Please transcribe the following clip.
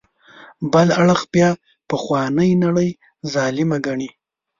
بل اړخ بیا پخوانۍ نړۍ ظالمه ګڼي.